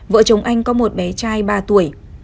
vợ chồng anh có một bé trai ba tuổi